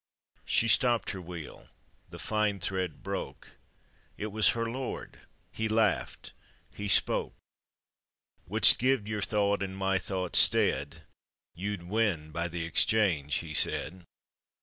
She stopped her wheel, the fine thread broke; It was her lord, he laughed, he spoke :" Would'st give your thought in my thought's stead, You'd win by the exchange," he said.